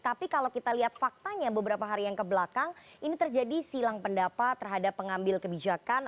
tapi kalau kita lihat faktanya beberapa hari yang kebelakang ini terjadi silang pendapat terhadap pengambil kebijakan